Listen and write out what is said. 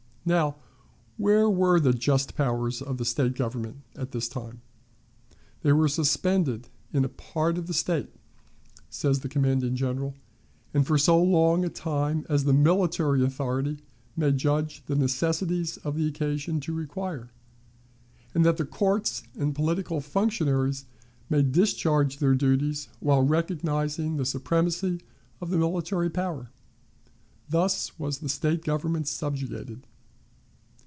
Now, where were the "just powers" of the State government at this time? They were suspended in a part of the State, says the commanding General, and for so long a time as the military authority may judge the necessities of the occasion to require, and that the courts and political functionaries may discharge their duties while recognizing the supremacy of the military power. Thus was the State government subjugated.